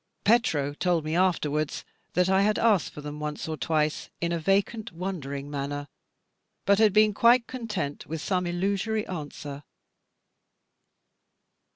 Petro told me afterwards that I had asked for them once or twice, in a vacant wondering manner, but had been quite content with some illusory answer.